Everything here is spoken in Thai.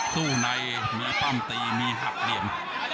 สู้ในมีปั้มตีมีหักเหลี่ยม